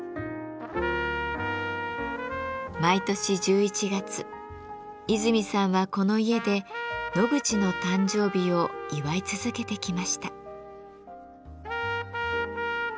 毎年１１月和泉さんはこの家でノグチの誕生日を祝い続けてきました。